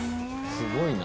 すごいな。